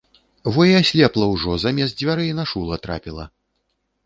Во і аслепла ўжо, замест дзвярэй на шула трапіла.